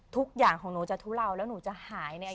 ทุกอย่างของหนูจะทุเลาแล้วหนูจะหายเนี่ย